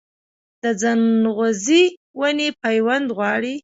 د ځنغوزي ونې پیوند غواړي؟